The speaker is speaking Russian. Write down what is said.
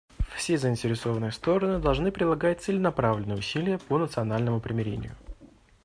Все заинтересованные стороны должны прилагать целенаправленные усилия по национальному примирению.